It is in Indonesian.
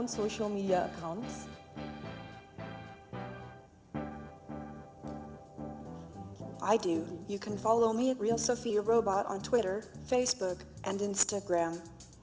saya anda dapat mengikuti saya real sofia robot di twitter facebook dan instagram